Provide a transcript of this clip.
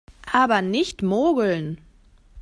Aber nicht mogeln!